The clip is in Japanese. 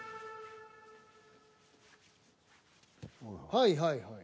はいはいはい。